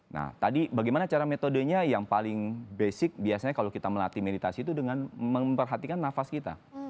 nah tadi bagaimana cara metodenya yang paling basic biasanya kalau kita melatih meditasi itu dengan memperhatikan nafas kita